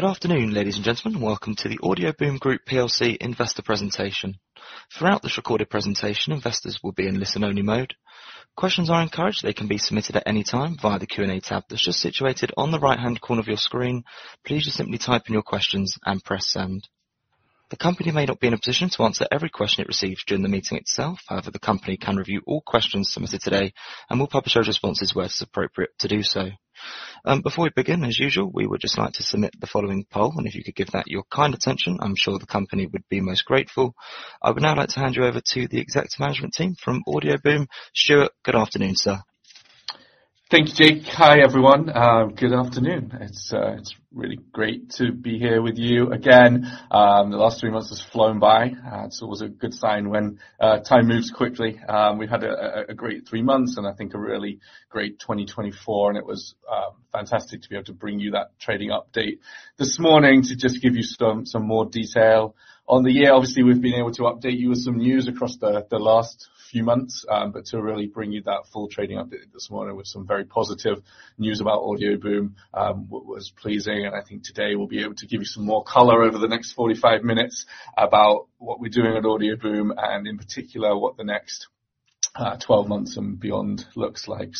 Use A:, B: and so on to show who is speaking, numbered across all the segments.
A: Good afternoon, ladies and gentlemen. Welcome to the Audioboom Group plc investor presentation. Throughout this recorded presentation, investors will be in listen-only mode. Questions are encouraged. They can be submitted at any time via the Q&A tab that's just situated on the right-hand corner of your screen. Please just simply type in your questions and press send. The company may not be in a position to answer every question it receives during the meeting itself. However, the company can review all questions submitted today and will publish those responses where it's appropriate to do so. Before we begin, as usual, we would just like to submit the following poll, and if you could give that your kind attention, I'm sure the company would be most grateful. I would now like to hand you over to the executive management team from Audioboom. Stuart, good afternoon, sir.
B: Thank you, Jake. Hi, everyone. Good afternoon. It's really great to be here with you again. The last three months have flown by, so it was a good sign when time moves quickly. We've had a great three months and I think a really great 2024, and it was fantastic to be able to bring you that trading update this morning to just give you some more detail on the year. Obviously, we've been able to update you with some news across the last few months, but to really bring you that full trading update this morning with some very positive news about Audioboom was pleasing, and I think today we'll be able to give you some more color over the next 45 minutes about what we're doing at Audioboom and in particular what the next 12 months and beyond looks like.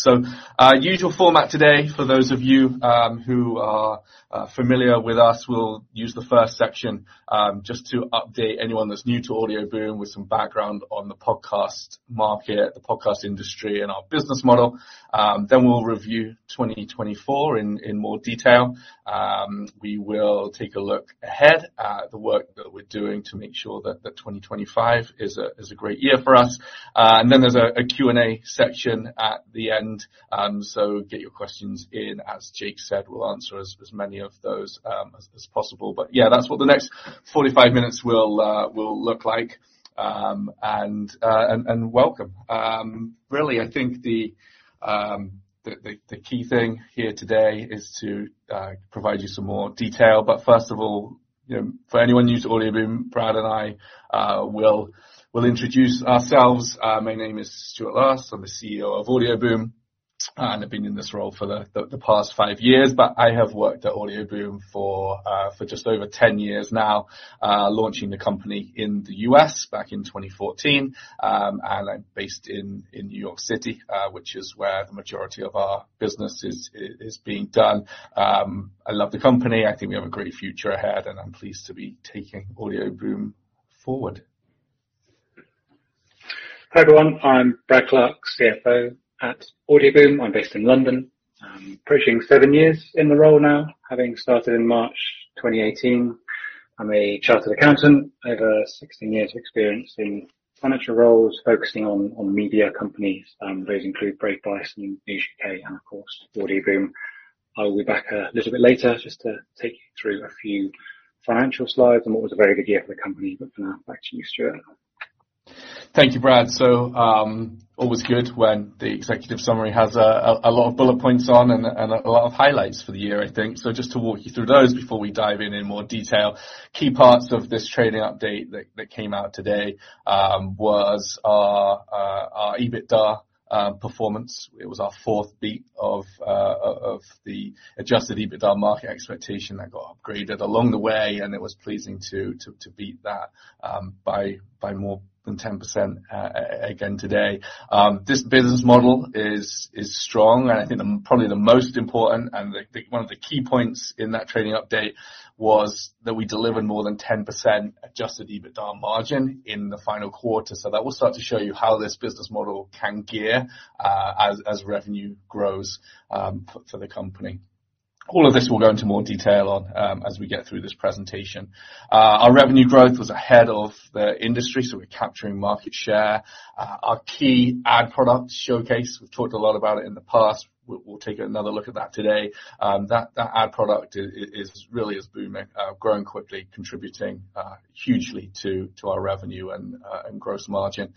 B: Usual format today for those of you who are familiar with us. We'll use the first section just to update anyone that's new to Audioboom with some background on the podcast market, the podcast industry, and our business model. Then we'll review 2024 in more detail. We will take a look ahead at the work that we're doing to make sure that 2025 is a great year for us. Then there's a Q&A section at the end, so get your questions in. As Jake said, we'll answer as many of those as possible. But yeah, that's what the next 45 minutes will look like. And welcome. Really, I think the key thing here today is to provide you some more detail. But first of all, for anyone new to Audioboom, Brad and I will introduce ourselves. My name is Stuart Last. I'm the CEO of Audioboom and have been in this role for the past five years, but I have worked at Audioboom for just over 10 years now, launching the company in the U.S. back in 2014, and I'm based in New York City, which is where the majority of our business is being done. I love the company. I think we have a great future ahead, and I'm pleased to be taking Audioboom forward.
C: Hi everyone. I'm Brad Clarke, CFO at Audioboom. I'm based in London. I'm approaching seven years in the role now, having started in March 2018. I'm a chartered accountant with over 16 years of experience in financial roles focusing on media companies. Those include Brave Bison in the U.K. and, of course, Audioboom. I will be back a little bit later just to take you through a few financial slides and what was a very good year for the company, but for now, back to you, Stuart.
B: Thank you, Brad. So always good when the executive summary has a lot of bullet points on and a lot of highlights for the year, I think. So just to walk you through those before we dive in more detail. Key parts of this trading update that came out today was our EBITDA performance. It was our fourth beat of the adjusted EBITDA market expectation that got upgraded along the way, and it was pleasing to beat that by more than 10% again today. This business model is strong, and I think probably the most important and one of the key points in that trading update was that we delivered more than 10% adjusted EBITDA margin in the final quarter. So that will start to show you how this business model can gear as revenue grows for the company. All of this we'll go into more detail on as we get through this presentation. Our revenue growth was ahead of the industry, so we're capturing market share. Our key ad product Showcase, we've talked a lot about it in the past. We'll take another look at that today. That ad product is really booming, growing quickly, contributing hugely to our revenue and gross margin.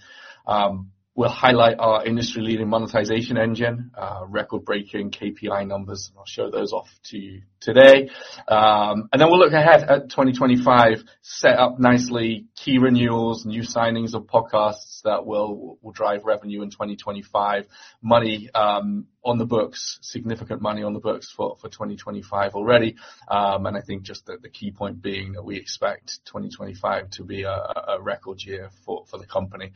B: We'll highlight our industry-leading monetization engine, record-breaking KPI numbers, and I'll show those off to you today, and then we'll look ahead at 2025, set up nicely, key renewals, new signings of podcasts that will drive revenue in 2025, money on the books, significant money on the books for 2025 already, and I think just the key point being that we expect 2025 to be a record year for the company,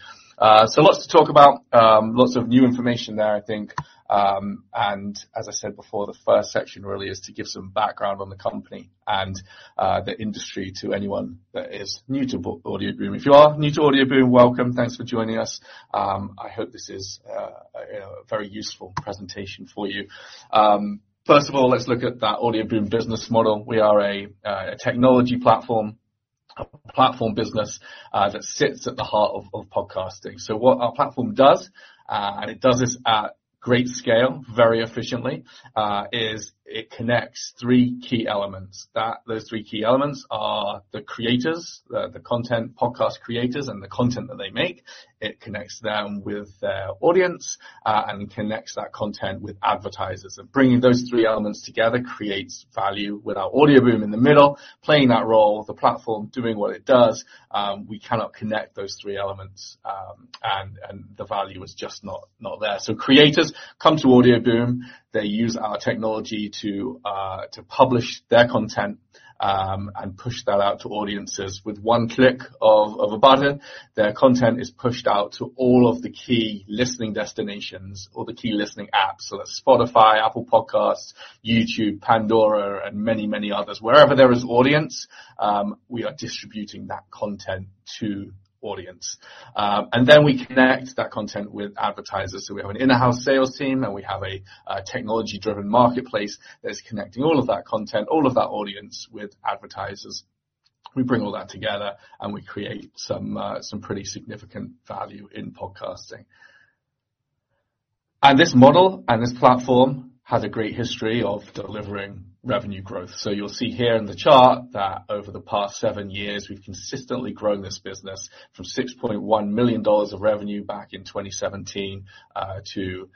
B: so lots to talk about, lots of new information there, I think. As I said before, the first section really is to give some background on the company and the industry to anyone that is new to Audioboom. If you are new to Audioboom, welcome. Thanks for joining us. I hope this is a very useful presentation for you. First of all, let's look at that Audioboom business model. We are a technology platform, a platform business that sits at the heart of podcasting. So what our platform does, and it does this at great scale, very efficiently, is it connects three key elements. Those three key elements are the creators, the content podcast creators, and the content that they make. It connects them with their audience and connects that content with advertisers. Bringing those three elements together creates value with our Audioboom in the middle, playing that role, the platform doing what it does. We cannot connect those three elements, and the value is just not there. So creators come to Audioboom. They use our technology to publish their content and push that out to audiences with one click of a button. Their content is pushed out to all of the key listening destinations or the key listening apps. So that's Spotify, Apple Podcasts, YouTube, Pandora, and many, many others. Wherever there is audience, we are distributing that content to audience. And then we connect that content with advertisers. So we have an in-house sales team, and we have a technology-driven marketplace that is connecting all of that content, all of that audience with advertisers. We bring all that together, and we create some pretty significant value in podcasting. And this model and this platform has a great history of delivering revenue growth. So you'll see here in the chart that over the past seven years, we've consistently grown this business from $6.1 million of revenue back in 2017 to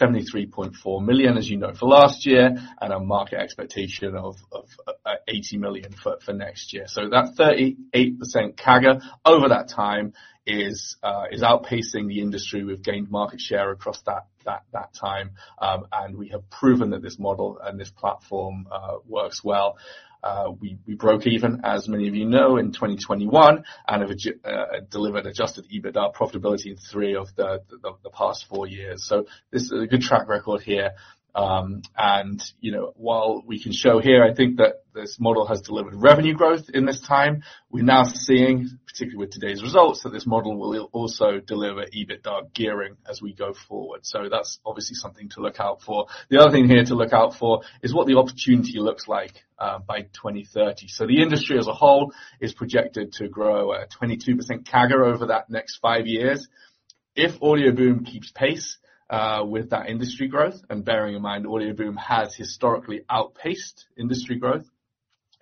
B: $73.4 million, as you know, for last year, and a market expectation of $80 million for next year. So that 38% CAGR over that time is outpacing the industry. We've gained market share across that time, and we have proven that this model and this platform works well. We broke even, as many of you know, in 2021 and have delivered adjusted EBITDA profitability in three of the past four years. So this is a good track record here. And while we can show here, I think that this model has delivered revenue growth in this time, we're now seeing, particularly with today's results, that this model will also deliver EBITDA gearing as we go forward. That's obviously something to look out for. The other thing here to look out for is what the opportunity looks like by 2030. The industry as a whole is projected to grow at a 22% CAGR over that next five years. If Audioboom keeps pace with that industry growth, and bearing in mind Audioboom has historically outpaced industry growth,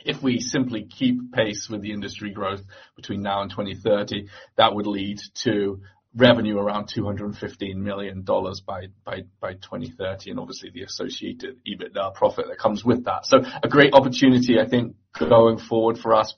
B: if we simply keep pace with the industry growth between now and 2030, that would lead to revenue around $215 million by 2030 and obviously the associated EBITDA profit that comes with that. A great opportunity, I think, going forward for us,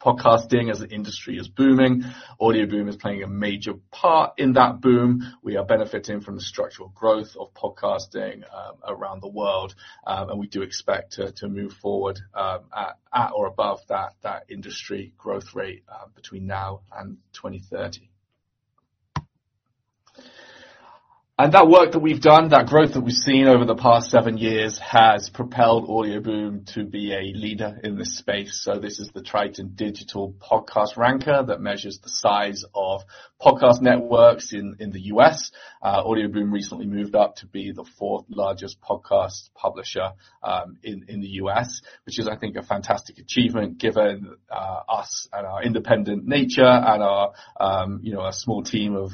B: podcasting as an industry is booming. Audioboom is playing a major part in that boom. We are benefiting from the structural growth of podcasting around the world, and we do expect to move forward at or above that industry growth rate between now and 2030. That work that we've done, that growth that we've seen over the past seven years has propelled Audioboom to be a leader in this space. This is the Triton Digital Podcast Ranker that measures the size of podcast networks in the U.S. Audioboom recently moved up to be the fourth largest podcast publisher in the U.S., which is, I think, a fantastic achievement given us and our independent nature and our small team of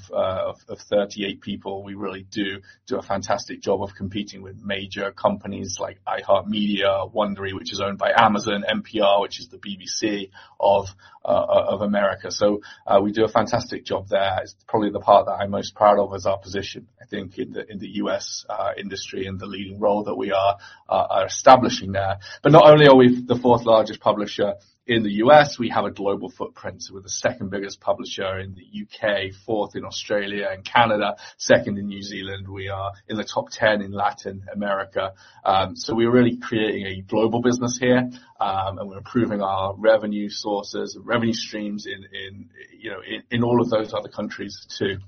B: 38 people. We really do do a fantastic job of competing with major companies like iHeartMedia, Wondery, which is owned by Amazon, NPR, which is the BBC of America. We do a fantastic job there. Probably the part that I'm most proud of is our position, I think, in the U.S. industry and the leading role that we are establishing there. But not only are we the fourth largest publisher in the U.S., we have a global footprint, so we're the second biggest publisher in the U.K., fourth in Australia and Canada, second in New Zealand. We are in the top 10 in Latin America, so we're really creating a global business here, and we're improving our revenue sources, revenue streams in all of those other countries too,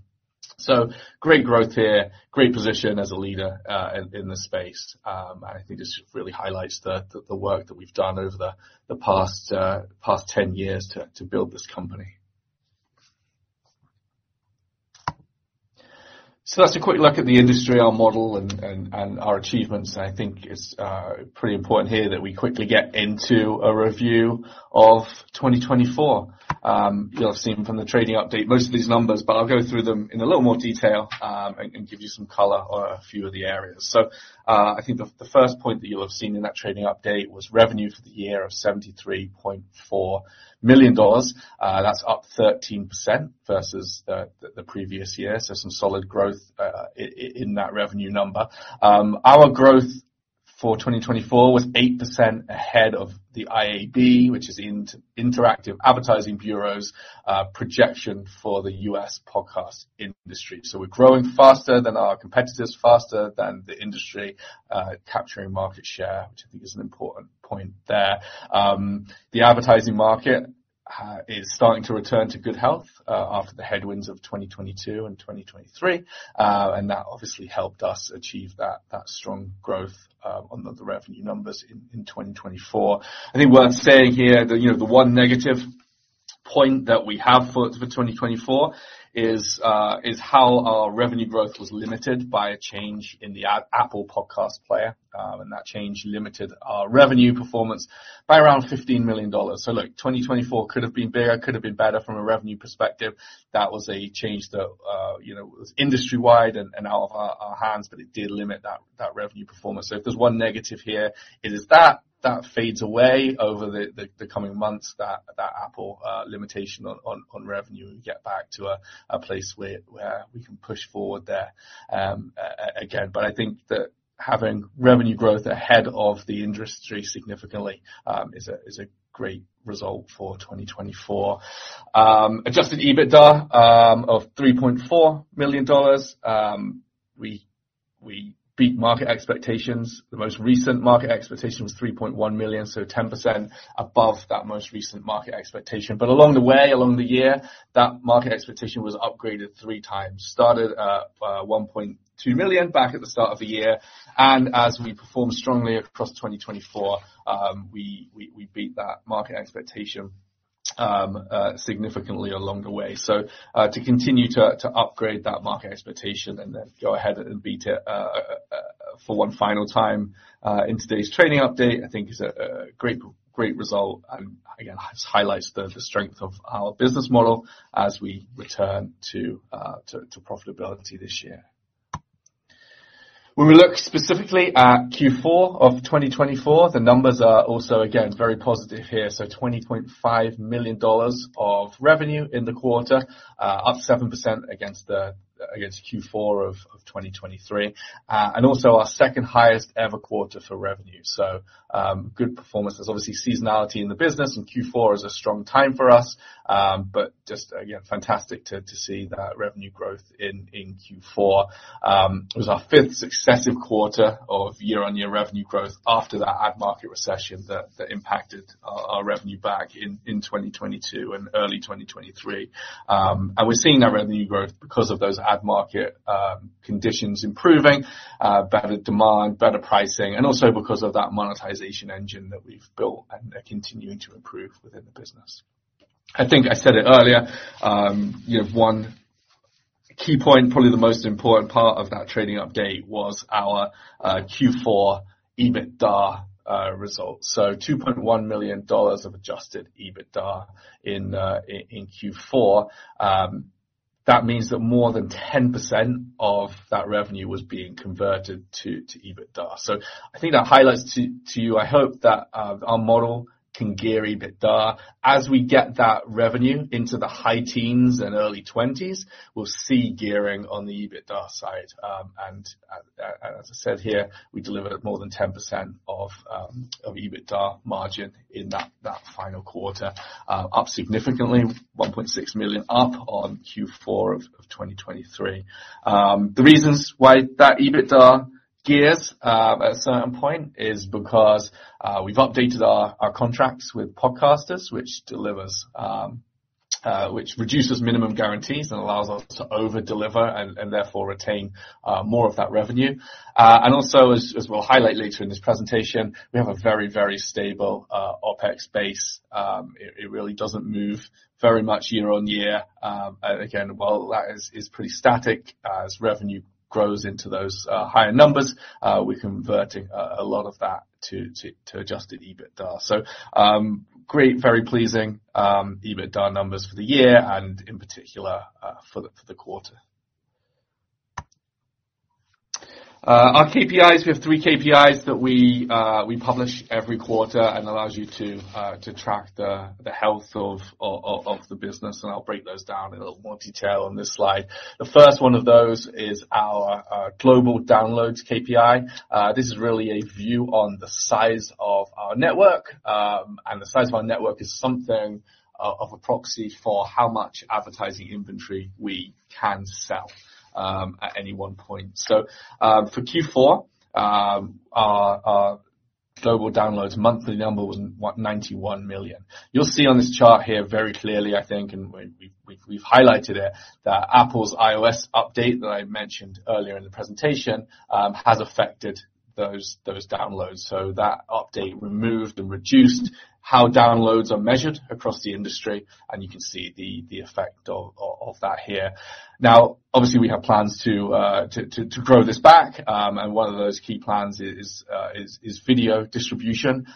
B: so great growth here, great position as a leader in the space. I think this really highlights the work that we've done over the past 10 years to build this company. So that's a quick look at the industry, our model, and our achievements, and I think it's pretty important here that we quickly get into a review of 2024. You'll have seen from the trading update most of these numbers, but I'll go through them in a little more detail and give you some color on a few of the areas. So I think the first point that you'll have seen in that trading update was revenue for the year of $73.4 million. That's up 13% versus the previous year. So some solid growth in that revenue number. Our growth for 2024 was 8% ahead of the IAB, which is Interactive Advertising Bureau's projection for the U.S. podcast industry. So we're growing faster than our competitors, faster than the industry, capturing market share, which I think is an important point there. The advertising market is starting to return to good health after the headwinds of 2022 and 2023. And that obviously helped us achieve that strong growth on the revenue numbers in 2024. I think it's worth saying here, the one negative point that we have for 2024 is how our revenue growth was limited by a change in the Apple Podcasts player, and that change limited our revenue performance by around $15 million, so look, 2024 could have been bigger, could have been better from a revenue perspective. That was a change that was industry-wide and out of our hands, but it did limit that revenue performance, so if there's one negative here, it is that that fades away over the coming months, that Apple limitation on revenue. We get back to a place where we can push forward there again, but I think that having revenue growth ahead of the industry significantly is a great result for 2024. Adjusted EBITDA of $3.4 million. We beat market expectations. The most recent market expectation was $3.1 million, so 10% above that most recent market expectation, but along the way, along the year, that market expectation was upgraded three times. Started at $1.2 million back at the start of the year, and as we performed strongly across 2024, we beat that market expectation significantly along the way, so to continue to upgrade that market expectation and then go ahead and beat it for one final time in today's trading update, I think is a great result, and again, it highlights the strength of our business model as we return to profitability this year. When we look specifically at Q4 of 2024, the numbers are also, again, very positive here, so $20.5 million of revenue in the quarter, up 7% against Q4 of 2023, and also our second highest ever quarter for revenue, so good performance. There's obviously seasonality in the business, and Q4 is a strong time for us. But just, again, fantastic to see that revenue growth in Q4. It was our fifth successive quarter of year-on-year revenue growth after that ad market recession that impacted our revenue back in 2022 and early 2023. And we're seeing that revenue growth because of those ad market conditions improving, better demand, better pricing, and also because of that monetization engine that we've built and are continuing to improve within the business. I think I said it earlier. One key point, probably the most important part of that trading update was our Q4 EBITDA result. So $2.1 million of adjusted EBITDA in Q4. That means that more than 10% of that revenue was being converted to EBITDA. So I think that highlights to you. I hope that our model can gear EBITDA. As we get that revenue into the high teens and early 20s, we'll see gearing on the EBITDA side, and as I said here, we delivered more than 10% of EBITDA margin in that final quarter, up significantly, $1.6 million up on Q4 of 2023. The reasons why that EBITDA gears at a certain point is because we've updated our contracts with podcasters, which reduces minimum guarantees and allows us to overdeliver and therefore retain more of that revenue, and also, as we'll highlight later in this presentation, we have a very, very stable OpEx base. It really doesn't move very much year-on-year. Again, while that is pretty static, as revenue grows into those higher numbers, we're converting a lot of that to adjusted EBITDA, so great, very pleasing EBITDA numbers for the year and in particular for the quarter. Our KPIs, we have three KPIs that we publish every quarter and allows you to track the health of the business. I'll break those down in a little more detail on this slide. The first one of those is our global downloads KPI. This is really a view on the size of our network. The size of our network is something of a proxy for how much advertising inventory we can sell at any one point. For Q4, our global downloads monthly number was $91 million. You'll see on this chart here very clearly, I think, and we've highlighted it, that Apple's iOS update that I mentioned earlier in the presentation has affected those downloads. That update removed and reduced how downloads are measured across the industry. You can see the effect of that here. Now, obviously, we have plans to grow this back. One of those key plans is video distribution.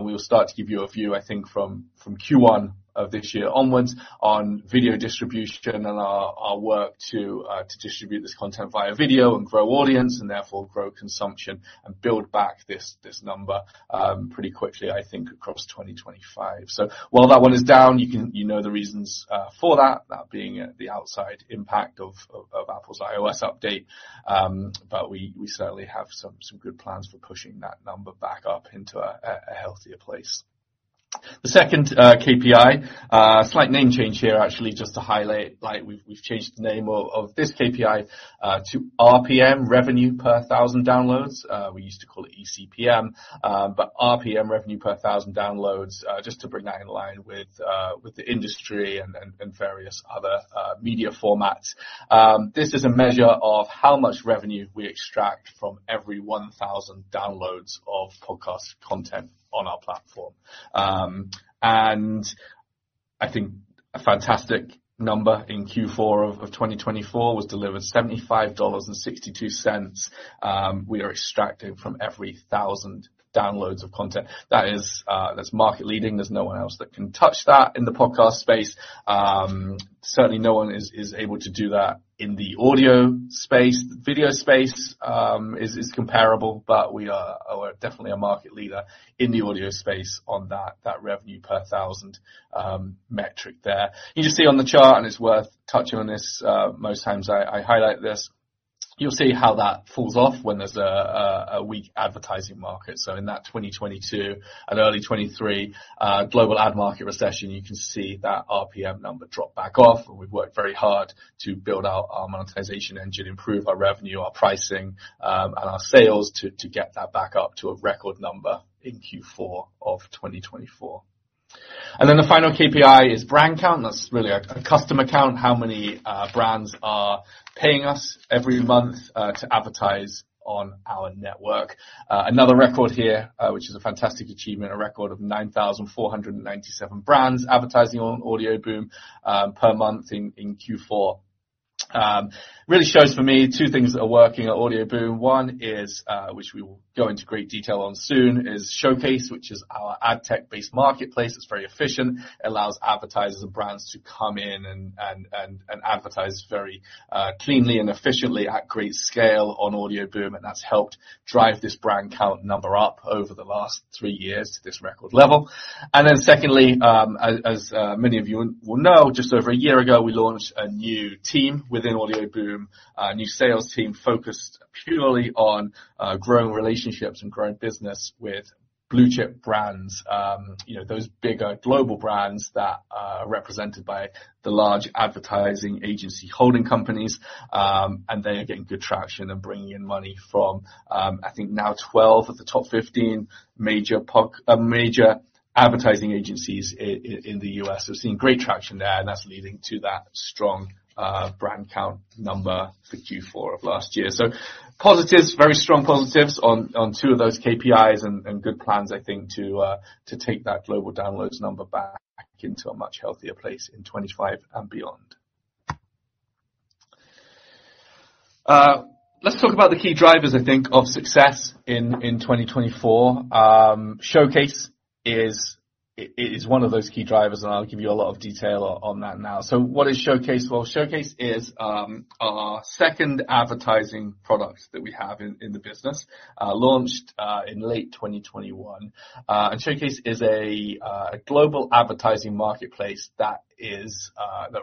B: We will start to give you a view, I think, from Q1 of this year onwards on video distribution and our work to distribute this content via video and grow audience and therefore grow consumption and build back this number pretty quickly, I think, across 2025. While that one is down, you know the reasons for that, that being the outside impact of Apple's iOS update. We certainly have some good plans for pushing that number back up into a healthier place. The second KPI, slight name change here, actually, just to highlight, we've changed the name of this KPI to RPM, Revenue Per Thousand Downloads. We used to call it eCPM, but RPM, Revenue Per Thousand Downloads, just to bring that in line with the industry and various other media formats. This is a measure of how much revenue we extract from every 1,000 downloads of podcast content on our platform, and I think a fantastic number in Q4 of 2024 was delivered $75.62. We are extracting from every 1,000 downloads of content. That's market-leading. There's no one else that can touch that in the podcast space. Certainly, no one is able to do that in the audio space. The video space is comparable, but we are definitely a market leader in the audio space on that revenue per thousand metric there. You just see on the chart, and it's worth touching on this most times I highlight this. You'll see how that falls off when there's a weak advertising market, so in that 2022 and early 2023 global ad market recession, you can see that RPM number drop back off. We've worked very hard to build out our monetization engine, improve our revenue, our pricing, and our sales to get that back up to a record number in Q4 of 2024. Then the final KPI is brand count. That's really a customer count, how many brands are paying us every month to advertise on our network. Another record here, which is a fantastic achievement, a record of 9,497 brands advertising on Audioboom per month in Q4. Really shows for me two things that are working at Audioboom. One is, which we will go into great detail on soon, is Showcase, which is our ad tech-based marketplace. It's very efficient. It allows advertisers and brands to come in and advertise very cleanly and efficiently at great scale on Audioboom. That's helped drive this brand count number up over the last three years to this record level. And then, secondly, as many of you will know, just over a year ago, we launched a new team within Audioboom, a new sales team focused purely on growing relationships and growing business with blue chip brands, those bigger global brands that are represented by the large advertising agency holding companies. And they are getting good traction and bringing in money from, I think, now 12 of the top 15 major advertising agencies in the U.S. We've seen great traction there, and that's leading to that strong brand count number for Q4 of last year. So, positives, very strong positives on two of those KPIs and good plans, I think, to take that global downloads number back into a much healthier place in 2025 and beyond. Let's talk about the key drivers, I think, of success in 2024. Showcase is one of those key drivers, and I'll give you a lot of detail on that now. So what is Showcase? Well, Showcase is our second advertising product that we have in the business, launched in late 2021. And Showcase is a global advertising marketplace that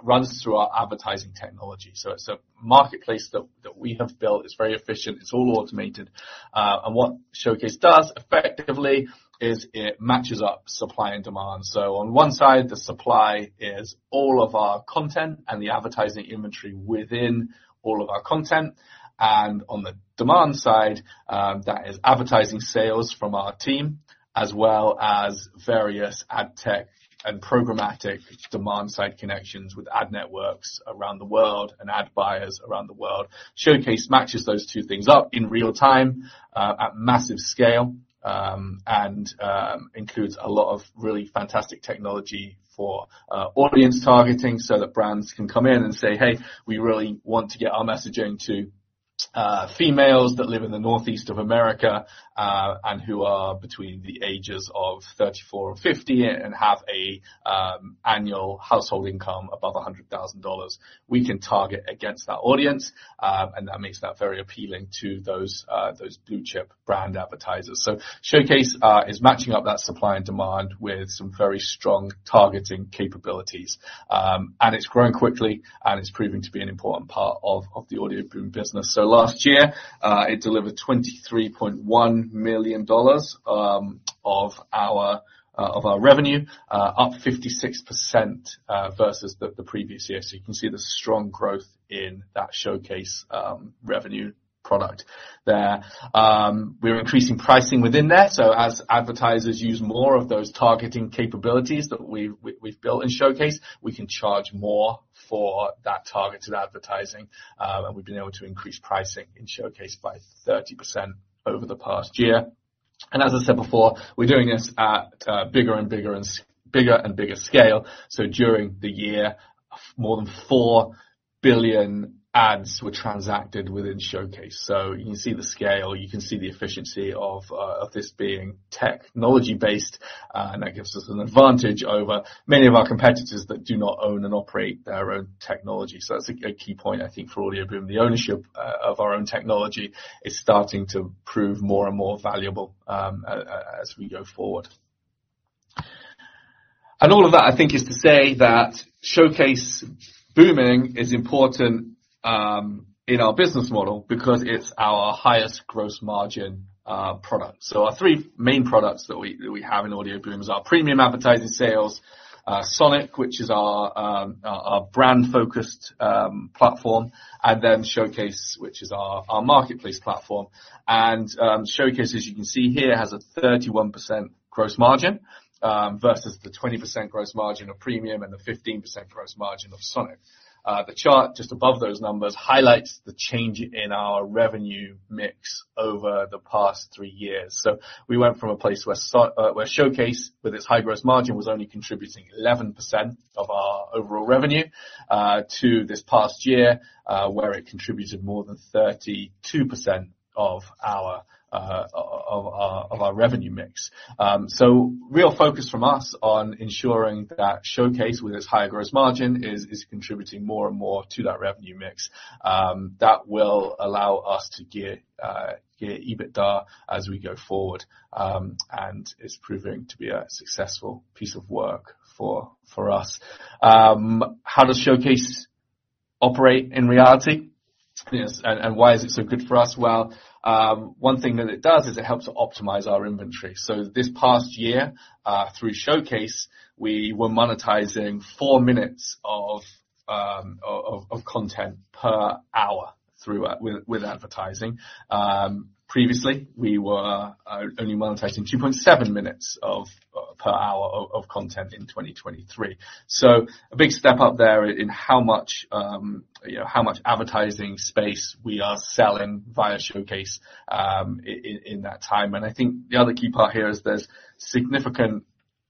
B: runs through our advertising technology. So it's a marketplace that we have built. It's very efficient. It's all automated. And what Showcase does effectively is it matches up supply and demand. So on one side, the supply is all of our content and the advertising inventory within all of our content. And on the demand side, that is advertising sales from our team, as well as various ad tech and programmatic demand side connections with ad networks around the world and ad buyers around the world. Showcase matches those two things up in real time at massive scale and includes a lot of really fantastic technology for audience targeting so that brands can come in and say, "Hey, we really want to get our messaging to females that live in the Northeast of America and who are between the ages of 34 and 50 and have an annual household income above $100,000." We can target against that audience, and that makes that very appealing to those blue chip brand advertisers, so Showcase is matching up that supply and demand with some very strong targeting capabilities. And it's growing quickly, and it's proving to be an important part of the Audioboom business, so last year, it delivered $23.1 million of our revenue, up 56% versus the previous year, so you can see the strong growth in that Showcase revenue product there. We're increasing pricing within there. So as advertisers use more of those targeting capabilities that we've built in Showcase, we can charge more for that targeted advertising. And we've been able to increase pricing in Showcase by 30% over the past year. And as I said before, we're doing this at bigger and bigger and bigger scale. So during the year, more than four billion ads were transacted within Showcase. So you can see the scale. You can see the efficiency of this being technology-based. And that gives us an advantage over many of our competitors that do not own and operate their own technology. So that's a key point, I think, for Audioboom. The ownership of our own technology is starting to prove more and more valuable as we go forward. And all of that, I think, is to say that Showcase booming is important in our business model because it's our highest gross margin product. So our three main products that we have in Audioboom are our premium advertising sales, Sonic, which is our brand-focused platform, and then Showcase, which is our marketplace platform. And Showcase, as you can see here, has a 31% gross margin versus the 20% gross margin of premium and the 15% gross margin of Sonic. The chart just above those numbers highlights the change in our revenue mix over the past three years. So we went from a place where Showcase, with its high gross margin, was only contributing 11% of our overall revenue to this past year, where it contributed more than 32% of our revenue mix. So real focus from us on ensuring that Showcase, with its higher gross margin, is contributing more and more to that revenue mix. That will allow us to gear EBITDA as we go forward. And it's proving to be a successful piece of work for us. How does Showcase operate in reality? And why is it so good for us? Well, one thing that it does is it helps to optimize our inventory. So this past year, through Showcase, we were monetizing four minutes of content per hour with advertising. Previously, we were only monetizing 2.7 minutes per hour of content in 2023. So a big step up there in how much advertising space we are selling via Showcase in that time. And I think the other key part here is there's significant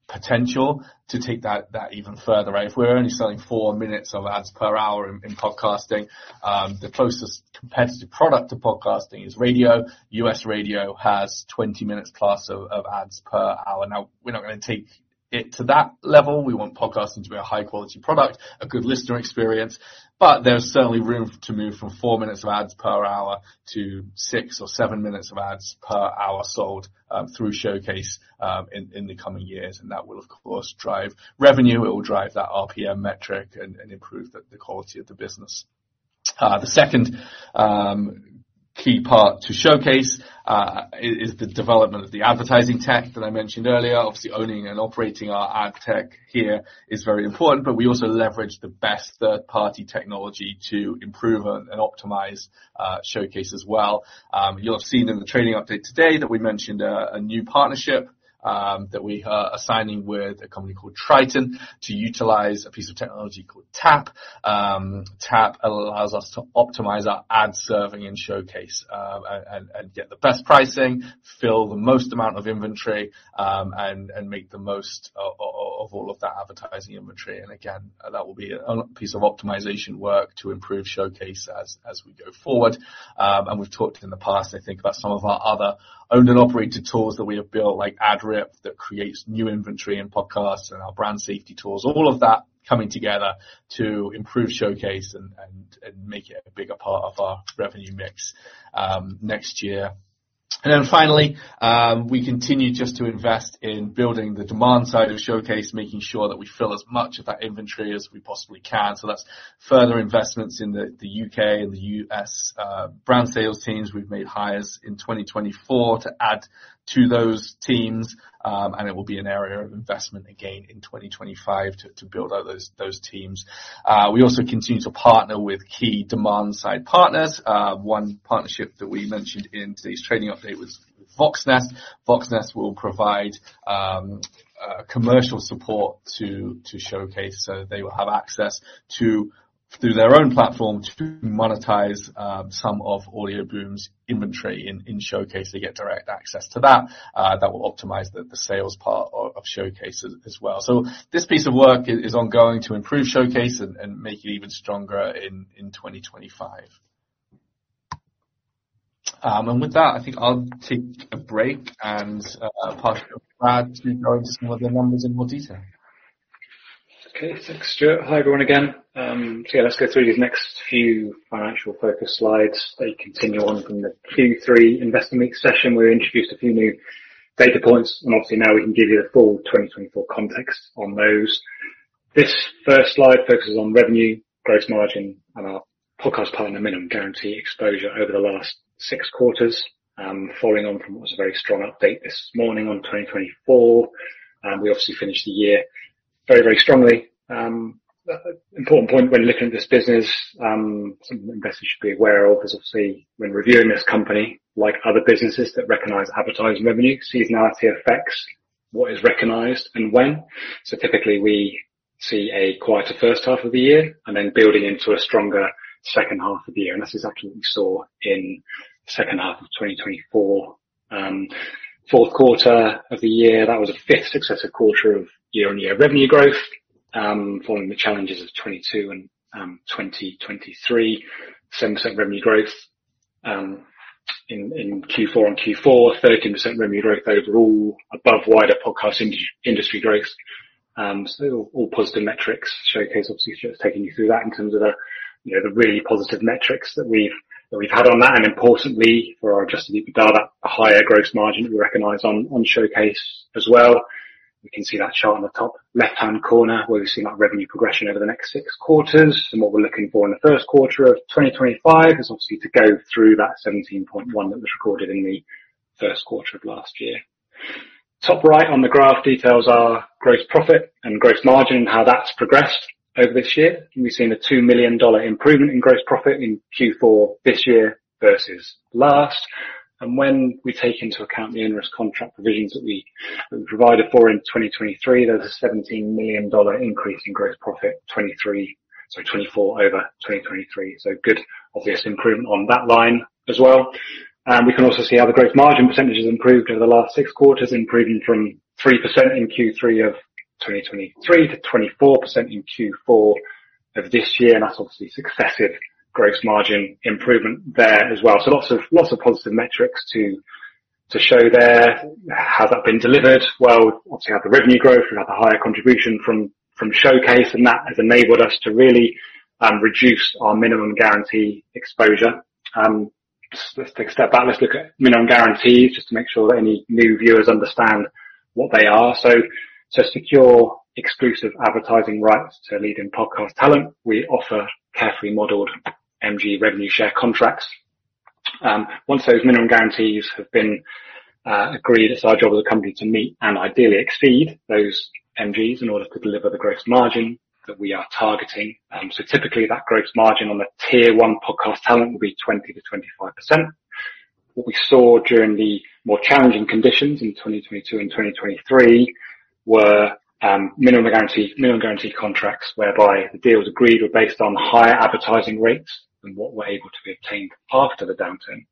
B: potential to take that even further. If we're only selling four minutes of ads per hour in podcasting, the closest competitive product to podcasting is radio. U.S. radio has 20 minutes plus of ads per hour. Now, we're not going to take it to that level. We want podcasting to be a high-quality product, a good listener experience. But there's certainly room to move from four minutes of ads per hour to six or seven minutes of ads per hour sold through Showcase in the coming years, and that will, of course, drive revenue. It will drive that RPM metric and improve the quality of the business. The second key part to Showcase is the development of the advertising tech that I mentioned earlier. Obviously, owning and operating our ad tech here is very important, but we also leverage the best third-party technology to improve and optimize Showcase as well. You'll have seen in the training update today that we mentioned a new partnership that we are signing with a company called Triton to utilize a piece of technology called Tap. Tap allows us to optimize our ad serving in Showcase and get the best pricing, fill the most amount of inventory, and make the most of all of that advertising inventory. Again, that will be a piece of optimization work to improve Showcase as we go forward. We've talked in the past, I think, about some of our other owned and operated tools that we have built, like AdRip, that creates new inventory and podcasts, and our brand safety tools, all of that coming together to improve Showcase and make it a bigger part of our revenue mix next year. And then finally, we continue just to invest in building the demand side of Showcase, making sure that we fill as much of that inventory as we possibly can. So that's further investments in the U.K. and the U.S. brand sales teams. We've made hires in 2024 to add to those teams. And it will be an area of investment again in 2025 to build out those teams. We also continue to partner with key demand-side partners. One partnership that we mentioned in today's trading update was Voxnest. Voxnest will provide commercial support to Showcase. So they will have access through their own platform to monetize some of Audioboom's inventory in Showcase. They get direct access to that. That will optimize the sales part of Showcase as well. So this piece of work is ongoing to improve Showcase and make it even stronger in 2025. With that, I think I'll take a break and pass it over to Brad to go into some of the numbers in more detail.
C: Okay. Thanks, Stuart. Hi, everyone again. Yeah, let's go through these next few financial focus slides that continue on from the Q3 investment week session. We introduced a few new data points. Obviously, now we can give you the full 2024 context on those. This first slide focuses on revenue, gross margin, and our podcast partner minimum guarantee exposure over the last six quarters, following on from what was a very strong update this morning on 2024. We obviously finished the year very, very strongly. Important point when looking at this business, something investors should be aware of is obviously when reviewing this company, like other businesses that recognize advertising revenue, seasonality affects what is recognized and when. Typically, we see a quieter first half of the year and then building into a stronger second half of the year. And that's exactly what we saw in the second half of 2024. Fourth quarter of the year, that was a fifth successive quarter of year-on-year revenue growth, following the challenges of 2022 and 2023. 7% revenue growth in Q4-on-Q4, 13% revenue growth overall, above wider podcast industry growth. So all positive metrics. Showcase, obviously, Stuart's taken you through that in terms of the really positive metrics that we've had on that. And importantly, for our adjusted EBITDA, that higher gross margin that we recognize on Showcase as well. We can see that chart on the top left-hand corner where we've seen that revenue progression over the next six quarters. And what we're looking for in the first quarter of 2025 is obviously to go through that 17.1 that was recorded in the first quarter of last year. Top right on the graph details our gross profit and gross margin and how that's progressed over this year. We've seen a $2 million improvement in gross profit in Q4 this year versus last. And when we take into account the ingress contract provisions that we provided for in 2023, there's a $17 million increase in gross profit, sorry, 2024 over 2023. So good, obvious improvement on that line as well. And we can also see how the gross margin percentage has improved over the last six quarters, improving from 3% in Q3 of 2023 to 24% in Q4 of this year. And that's obviously successive gross margin improvement there as well. So lots of positive metrics to show there. How's that been delivered? Well, obviously, we have the revenue growth. We have the higher contribution from Showcase, and that has enabled us to really reduce our minimum guarantee exposure. Let's take a step back. Let's look at minimum guarantees just to make sure that any new viewers understand what they are. So, secure exclusive advertising rights to leading podcast talent. We offer carefully modeled MG revenue share contracts. Once those minimum guarantees have been agreed, it's our job as a company to meet and ideally exceed those MGs in order to deliver the gross margin that we are targeting. So typically, that gross margin on the tier one podcast talent will be 20%-25%. What we saw during the more challenging conditions in 2022 and 2023 were minimum guarantee contracts whereby the deals agreed were based on higher advertising rates than what were able to be obtained after the downturn.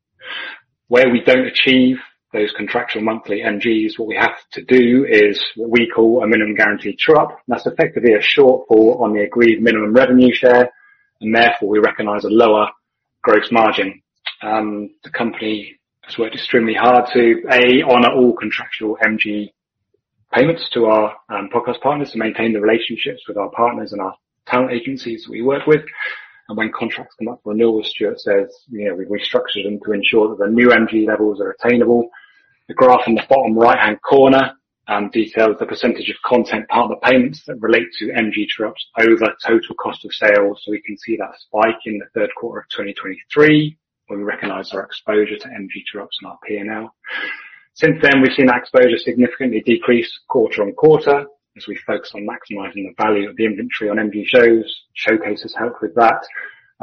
C: Where we don't achieve those contractual monthly MGs, what we have to do is what we call a minimum guarantee true-up. That's effectively a shortfall on the agreed minimum revenue share, and therefore, we recognize a lower gross margin. The company has worked extremely hard to, A, honor all contractual MG payments to our podcast partners to maintain the relationships with our partners and our talent agencies that we work with. When contracts come up for renewal, Stuart says, "We've restructured them to ensure that the new MG levels are attainable." The graph in the bottom right-hand corner details the percentage of content partner payments that relate to MG troughs over total cost of sales. We can see that spike in the third quarter of 2023, where we recognize our exposure to MG troughs in our P&L. Since then, we've seen our exposure significantly decrease quarter-on-quarter as we focus on maximizing the value of the inventory on MG shows. Showcase has helped with that.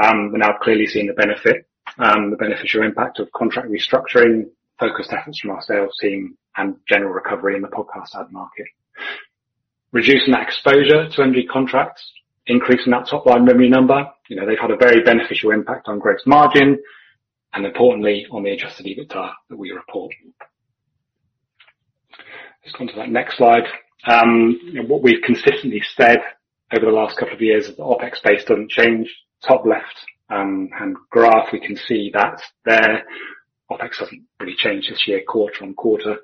C: We're now clearly seeing the benefit, the beneficial impact of contract restructuring, focused efforts from our sales team, and general recovery in the podcast ad market. Reducing that exposure to MG contracts, increasing that top-line revenue number, they've had a very beneficial impact on gross margin and, importantly, on the adjusted EBITDA that we report. Let's go on to that next slide. What we've consistently said over the last couple of years is the OpEx base doesn't change. Top left-hand graph, we can see that there. OpEx hasn't really changed this year, quarter-on-quarter.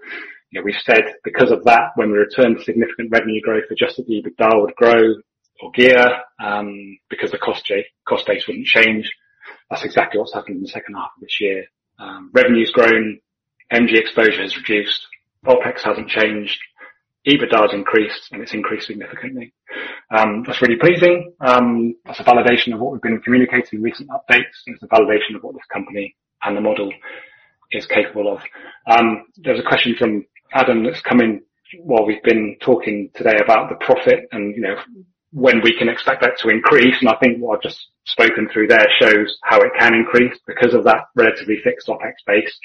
C: We said because of that, when we returned significant revenue growth, adjusted EBITDA would grow or gear because the cost base wouldn't change. That's exactly what's happened in the second half of this year. Revenue's grown. MG exposure has reduced. OpEx hasn't changed. EBITDA has increased, and it's increased significantly. That's really pleasing. That's a validation of what we've been communicating in recent updates. It's a validation of what this company and the model is capable of. There's a question from Adam that's come in while we've been talking today about the profit and when we can expect that to increase. And I think what I've just spoken through there shows how it can increase because of that relatively fixed OpEx base.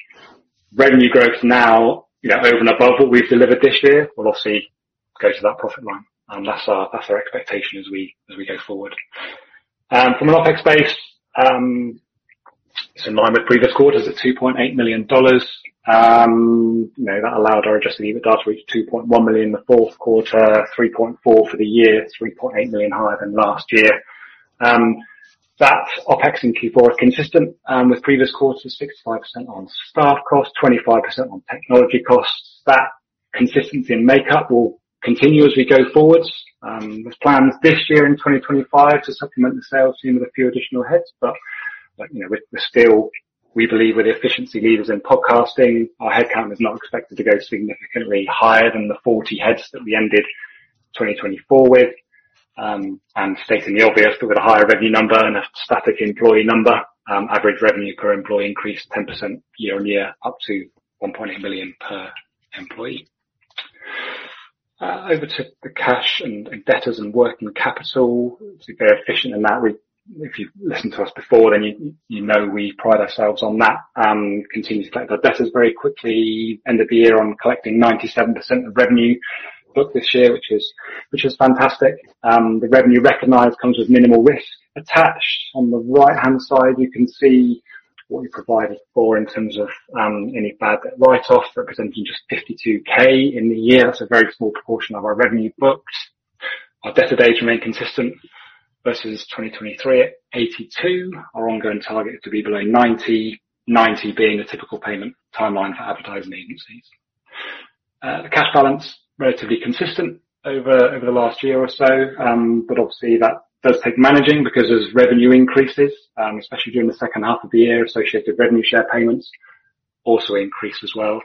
C: Revenue growth now, over and above what we've delivered this year, will obviously go to that profit line. That's our expectation as we go forward. From an OpEx base, it's in line with previous quarters at $2.8 million. That allowed our adjusted EBITDA to reach $2.1 million in the fourth quarter, $3.4 million for the year, $3.8 million higher than last year. That OpEx in Q4 is consistent with previous quarters, 65% on staff costs, 25% on technology costs. That consistency in makeup will continue as we go forward. There's plans this year in 2025 to supplement the sales team with a few additional heads. But we believe with efficiency levers in podcasting, our headcount is not expected to go significantly higher than the 40 heads that we ended 2024 with. And stating the obvious, with a higher revenue number and a static employee number, average revenue per employee increased 10% year-on-year up to $1.8 million per employee. Over to the cash and debtors and working capital. Obviously, very efficient in that. If you've listened to us before, then you know we pride ourselves on that. Continue to collect our debtors very quickly. End of the year on collecting 97% of revenue booked this year, which is fantastic. The revenue recognized comes with minimal risk attached. On the right-hand side, you can see what we provided for in terms of any bad write-off, representing just $52,000 in the year. That's a very small proportion of our revenue booked. Our debtor days remain consistent versus 2023 at 82. Our ongoing target is to be below 90, 90 being a typical payment timeline for advertising agencies. The cash balance is relatively consistent over the last year or so. But obviously, that does take managing because as revenue increases, especially during the second half of the year, associated revenue share payments also increase as well.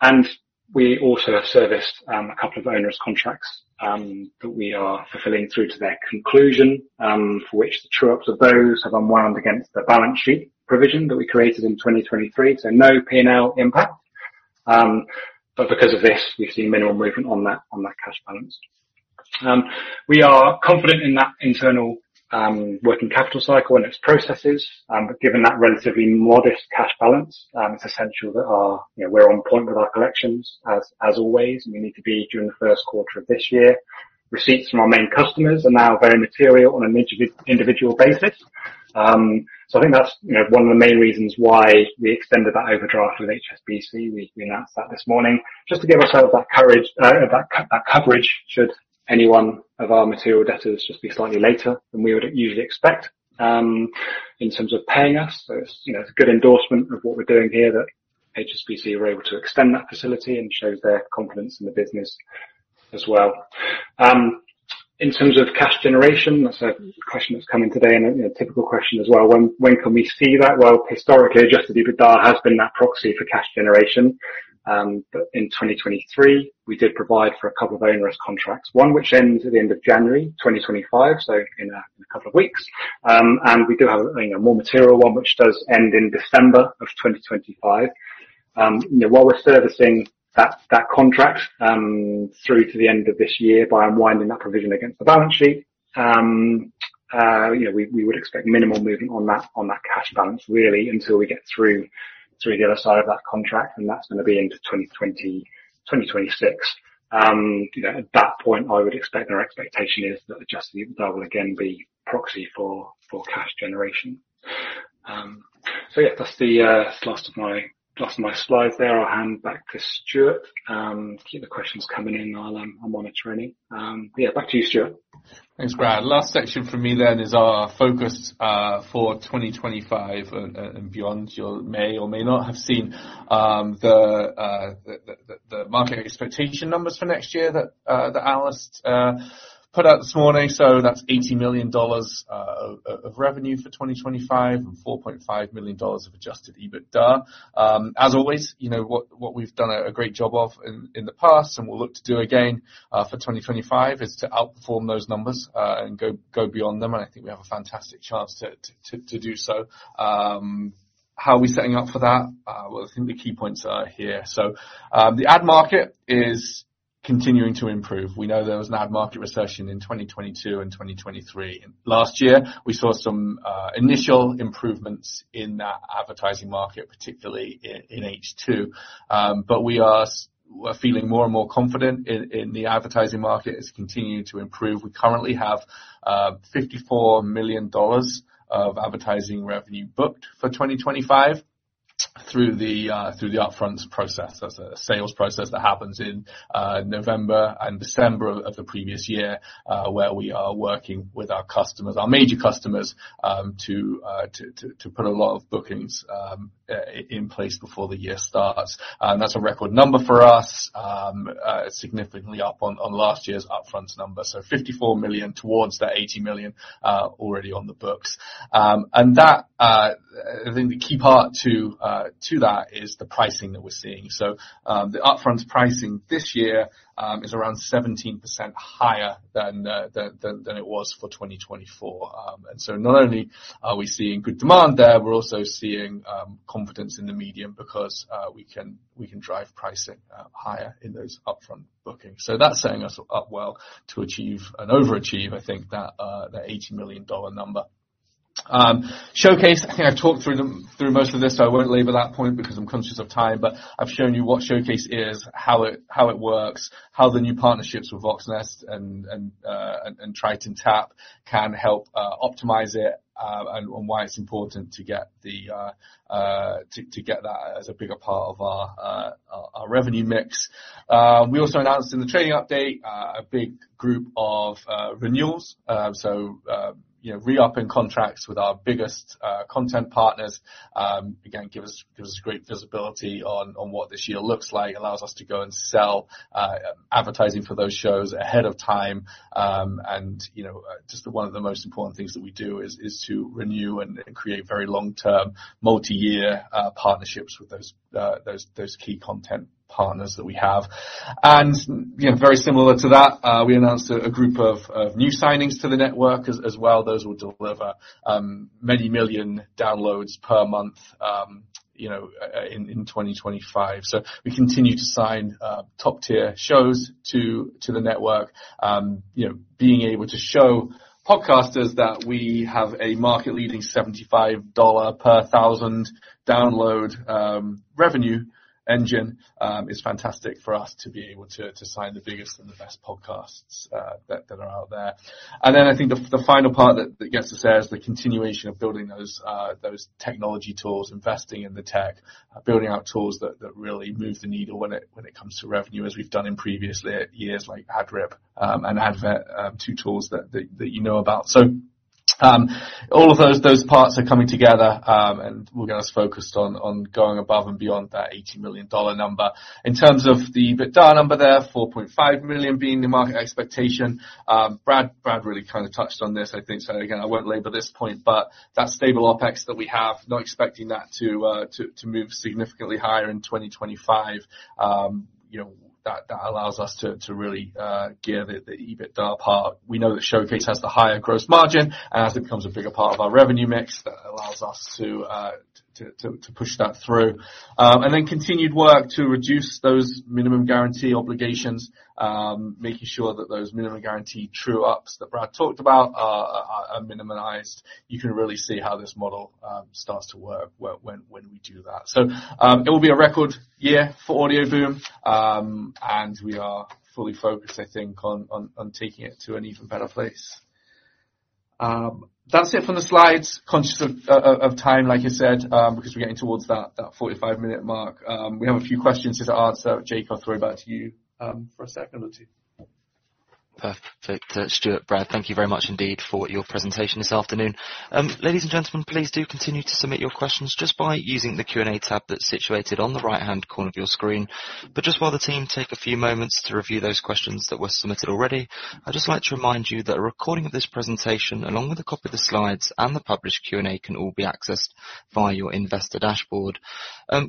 C: And we also have serviced a couple of owner's contracts that we are fulfilling through to their conclusion, for which the costs of those have unwound against the balance sheet provision that we created in 2023. So no P&L impact. But because of this, we've seen minimal movement on that cash balance. We are confident in that internal working capital cycle and its processes. But given that relatively modest cash balance, it's essential that we're on point with our collections as always. We need to be during the first quarter of this year. Receipts from our main customers are now very material on an individual basis. So I think that's one of the main reasons why we extended that overdraft with HSBC. We announced that this morning just to give ourselves that coverage should any one of our material debtors just be slightly later than we would usually expect in terms of paying us. So it's a good endorsement of what we're doing here that HSBC were able to extend that facility and shows their confidence in the business as well. In terms of cash generation, that's a question that's come in today and a typical question as well. When can we see that? Well, historically, adjusted EBITDA has been that proxy for cash generation. But in 2023, we did provide for a couple of owner's contracts, one which ends at the end of January 2025, so in a couple of weeks. And we do have a more material one which does end in December of 2025. While we're servicing that contract through to the end of this year by unwinding that provision against the balance sheet, we would expect minimal movement on that cash balance, really, until we get through the other side of that contract. And that's going to be into 2026. At that point, I would expect our expectation is that adjusted EBITDA will again be proxy for cash generation. So yeah, that's the last of my slides there. I'll hand back to Stuart. Keep the questions coming in. I'll monitor any. But yeah, back to you, Stuart.
B: Thanks, Brad. Last section for me then is our focus for 2025 and beyond. You may or may not have seen the market expectation numbers for next year that Alice put out this morning. So that's $18 million of revenue for 2025 and $4.5 million of adjusted EBITDA. As always, what we've done a great job of in the past and will look to do again for 2025 is to outperform those numbers and go beyond them. And I think we have a fantastic chance to do so. How are we setting up for that? Well, I think the key points are here. So the ad market is continuing to improve. We know there was an ad market recession in 2022 and 2023. Last year, we saw some initial improvements in that advertising market, particularly in H2. But we are feeling more and more confident in the advertising market as it continues to improve. We currently have $54 million of advertising revenue booked for 2025 through the upfront process. That's a sales process that happens in November and December of the previous year where we are working with our customers, our major customers, to put a lot of bookings in place before the year starts. And that's a record number for us, significantly up on last year's upfront number. So $54 million towards that $80 million already on the books. And I think the key part to that is the pricing that we're seeing. So the upfront pricing this year is around 17% higher than it was for 2024. And so not only are we seeing good demand there, we're also seeing confidence in the medium because we can drive pricing higher in those upfront bookings. So that's setting us up well to overachieve, I think, that $80 million number. Showcase, I think I've talked through most of this, so I won't belabor that point because I'm conscious of time, but I've shown you what Showcase is, how it works, how the new partnerships with Voxnest and Triton Tap can help optimize it, and why it's important to get that as a bigger part of our revenue mix. We also announced in the trading update a big group of renewals. So re-up and contracts with our biggest content partners, again, gives us great visibility on what this year looks like, allows us to go and sell advertising for those shows ahead of time, and just one of the most important things that we do is to renew and create very long-term, multi-year partnerships with those key content partners that we have, and very similar to that, we announced a group of new signings to the network as well. Those will deliver many million downloads per month in 2025. So we continue to sign top-tier shows to the network, being able to show podcasters that we have a market-leading $75 per thousand download revenue engine is fantastic for us to be able to sign the biggest and the best podcasts that are out there. And then I think the final part that gets to say is the continuation of building those technology tools, investing in the tech, building out tools that really move the needle when it comes to revenue, as we've done in previous years like AdRip and AdVet, two tools that you know about. So all of those parts are coming together, and we're going to focus on going above and beyond that $80 million number. In terms of the EBITDA number there, $4.5 million being the market expectation. Brad really kind of touched on this, I think. So again, I won't label this point, but that stable OpEx that we have, not expecting that to move significantly higher in 2025, that allows us to really gear the EBITDA part. We know that Showcase has the higher gross margin, and as it becomes a bigger part of our revenue mix, that allows us to push that through. And then continued work to reduce those minimum guarantee obligations, making sure that those minimum guarantee true-ups that Brad talked about are minimized. You can really see how this model starts to work when we do that. So it will be a record year for Audioboom, and we are fully focused, I think, on taking it to an even better place. That's it from the slides, conscious of time, like I said, because we're getting towards that 45-minute mark. We have a few questions here to answer. Jake, I'll throw it back to you for a second or two.
A: Perfect. Stuart, Brad, thank you very much indeed for your presentation this afternoon. Ladies and gentlemen, please do continue to submit your questions just by using the Q&A tab that's situated on the right-hand corner of your screen, but just while the team take a few moments to review those questions that were submitted already, I'd just like to remind you that a recording of this presentation, along with a copy of the slides and the published Q&A, can all be accessed via your investor dashboard.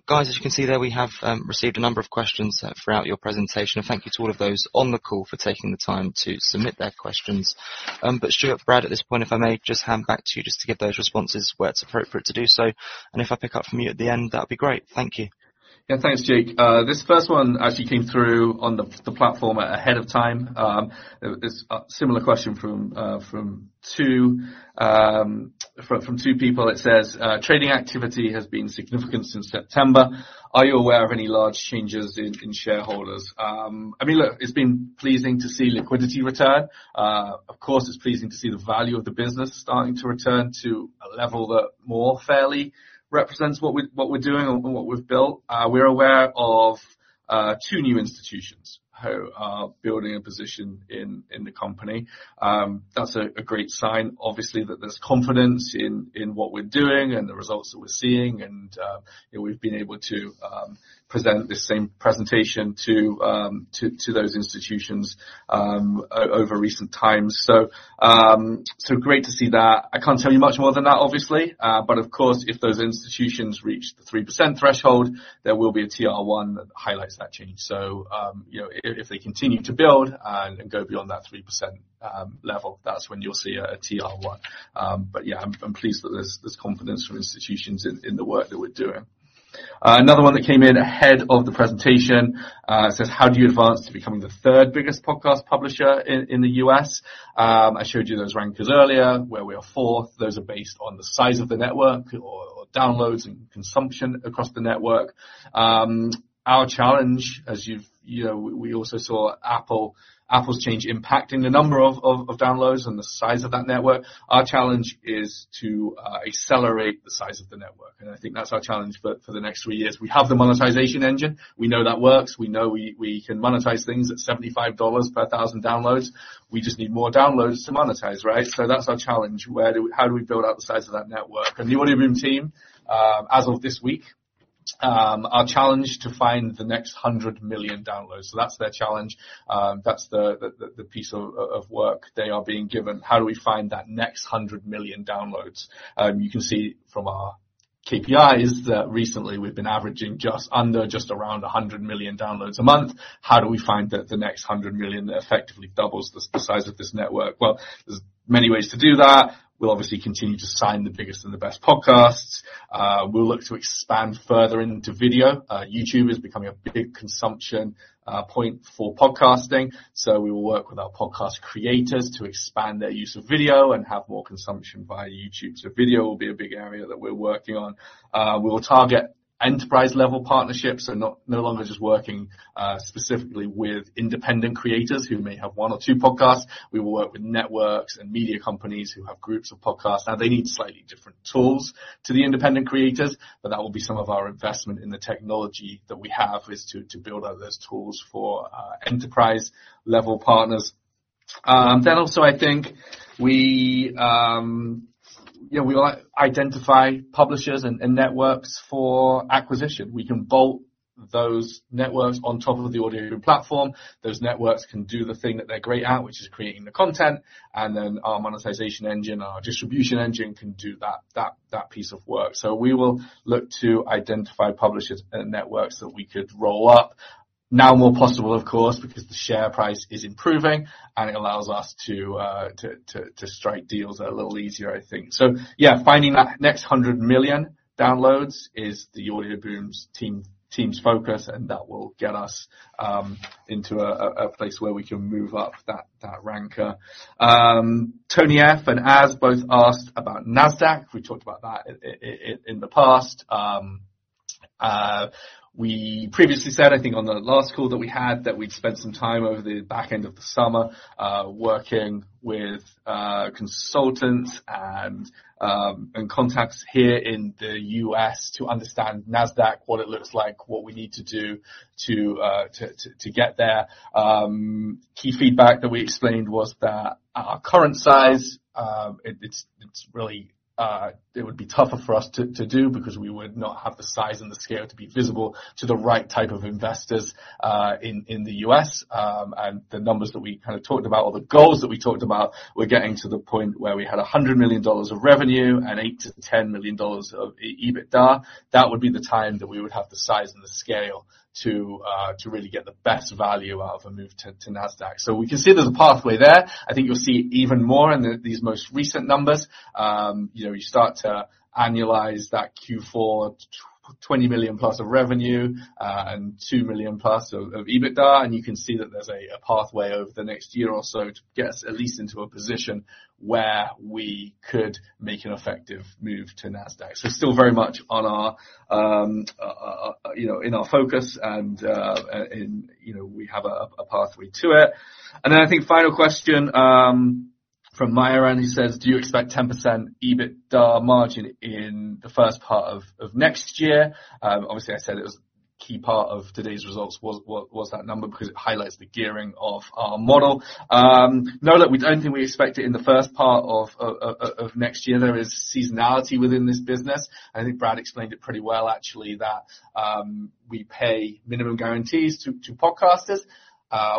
A: Guys, as you can see there, we have received a number of questions throughout your presentation, and thank you to all of those on the call for taking the time to submit their questions, but Stuart, Brad, at this point, if I may just hand back to you just to get those responses where it's appropriate to do so. If I pick up from you at the end, that'd be great. Thank you.
B: Yeah, thanks, Jake. This first one actually came through on the platform ahead of time. It's a similar question from two people. It says, "Trading activity has been significant since September. Are you aware of any large changes in shareholders?" I mean, look, it's been pleasing to see liquidity return. Of course, it's pleasing to see the value of the business starting to return to a level that more fairly represents what we're doing and what we've built. We're aware of two new institutions who are building a position in the company. That's a great sign, obviously, that there's confidence in what we're doing and the results that we're seeing. And we've been able to present this same presentation to those institutions over recent times. So great to see that. I can't tell you much more than that, obviously. But of course, if those institutions reach the 3% threshold, there will be a TR-1 that highlights that change. So if they continue to build and go beyond that 3% level, that's when you'll see a TR-1. But yeah, I'm pleased that there's confidence from institutions in the work that we're doing. Another one that came in ahead of the presentation says, "How do you advance to becoming the third biggest podcast publisher in the U.S.?" I showed you those rankings earlier where we are fourth. Those are based on the size of the network or downloads and consumption across the network. Our challenge, as we also saw Apple's change impacting the number of downloads and the size of that network, our challenge is to accelerate the size of the network. And I think that's our challenge for the next three years. We have the monetization engine. We know that works. We know we can monetize things at $75 per thousand downloads. We just need more downloads to monetize, right? So that's our challenge. How do we build out the size of that network? And the Audioboom team, as of this week, our challenge is to find the next 100 million downloads. So that's their challenge. That's the piece of work they are being given. How do we find that next 100 million downloads? You can see from our KPIs that recently we've been averaging just around 100 million downloads a month. How do we find the next 100 million that effectively doubles the size of this network? Well, there's many ways to do that. We'll obviously continue to sign the biggest and the best podcasts. We'll look to expand further into video. YouTube is becoming a big consumption point for podcasting. So we will work with our podcast creators to expand their use of video and have more consumption via YouTube. So video will be a big area that we're working on. We will target enterprise-level partnerships, so no longer just working specifically with independent creators who may have one or two podcasts. We will work with networks and media companies who have groups of podcasts. Now, they need slightly different tools to the independent creators, but that will be some of our investment in the technology that we have is to build out those tools for enterprise-level partners. Then also, I think we will identify publishers and networks for acquisition. We can bolt those networks on top of the Audioboom platform. Those networks can do the thing that they're great at, which is creating the content. And then our monetization engine, our distribution engine can do that piece of work. So we will look to identify publishers and networks that we could roll up. Now more possible, of course, because the share price is improving, and it allows us to strike deals a little easier, I think. So yeah, finding that next 100 million downloads is the Audioboom's team's focus, and that will get us into a place where we can move up that ranker. Tony F and Az both asked about Nasdaq. We talked about that in the past. We previously said, I think, on the last call that we had, that we'd spend some time over the back end of the summer working with consultants and contacts here in the U.S. to understand Nasdaq, what it looks like, what we need to do to get there. Key feedback that we explained was that our current size, it's really it would be tougher for us to do because we would not have the size and the scale to be visible to the right type of investors in the U.S. And the numbers that we kind of talked about, or the goals that we talked about, we're getting to the point where we had $100 million of revenue and $8 million-$10 million of EBITDA. That would be the time that we would have the size and the scale to really get the best value out of a move to Nasdaq. So we can see there's a pathway there. I think you'll see even more in these most recent numbers. You start to annualize that Q4, $20 million+ of revenue and $2 million+ of EBITDA. You can see that there's a pathway over the next year or so to get us at least into a position where we could make an effective move to Nasdaq. Still very much in our focus, and we have a pathway to it. Then I think final question from Myron, who says, "Do you expect 10% EBITDA margin in the first part of next year?" Obviously, I said it was a key part of today's results, was that number, because it highlights the gearing of our model. No, look, we don't think we expect it in the first part of next year. There is seasonality within this business. I think Brad explained it pretty well, actually, that we pay minimum guarantees to podcasters.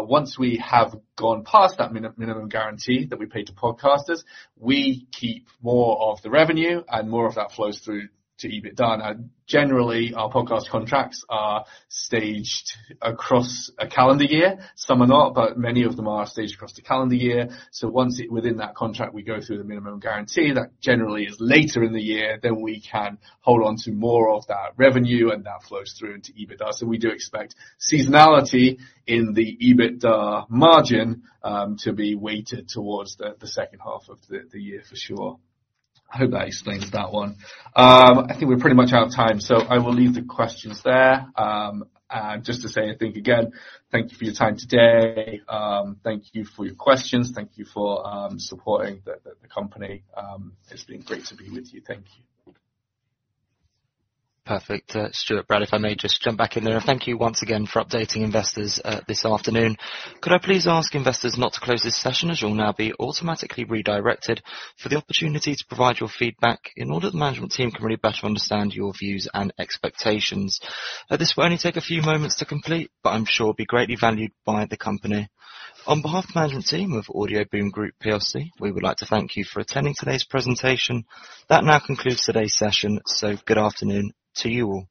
B: Once we have gone past that minimum guarantee that we pay to podcasters, we keep more of the revenue, and more of that flows through to EBITDA. Now, generally, our podcast contracts are staged across a calendar year. Some are not, but many of them are staged across the calendar year. So once within that contract, we go through the minimum guarantee, that generally is later in the year, then we can hold on to more of that revenue, and that flows through into EBITDA. So we do expect seasonality in the EBITDA margin to be weighted towards the second half of the year, for sure. I hope that explains that one. I think we're pretty much out of time, so I will leave the questions there, and just to say, I think, again, thank you for your time today. Thank you for your questions. Thank you for supporting the company. It's been great to be with you. Thank you.
A: Perfect. Stuart, Brad, if I may just jump back in there, and thank you once again for updating investors this afternoon. Could I please ask investors not to close this session, as you'll now be automatically redirected for the opportunity to provide your feedback in order the management team can really better understand your views and expectations? This will only take a few moments to complete, but I'm sure it will be greatly valued by the company. On behalf of the management team of Audioboom Group PLC, we would like to thank you for attending today's presentation. That now concludes today's session, so good afternoon to you all.